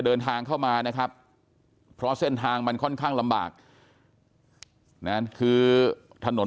เดินทางเข้ามานะครับเพราะเส้นทางมันค่อนข้างลำบากนะคือถนน